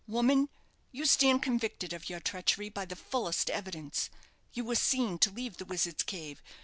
Woman, you stand convicted of your treachery by the fullest evidence. You were seen to leave the Wizard's Cave!